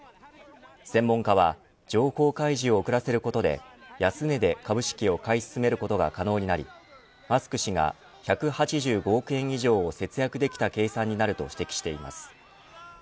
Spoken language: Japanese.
専門家は情報開示を遅らせることで安値で株式を買い進めることが可能になりマスク氏が１８５億円以上を節約できた計算になると指摘しています。